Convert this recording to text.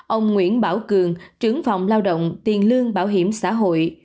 ông nguyễn bảo cường trưởng phòng lao động tiền lương bảo hiểm xã hội